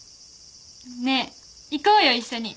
ねえ行こうよ一緒に。